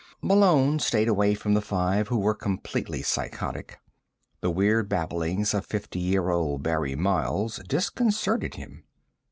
Malone stayed away from the five who were completely psychotic. The weird babblings of fifty year old Barry Miles disconcerted him.